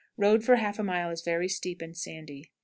Road for half a mile is very steep and sandy.